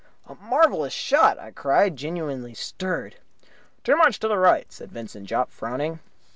"A marvellous shot!" I cried, genuinely stirred. "Too much to the right," said Vincent Jopp, frowning.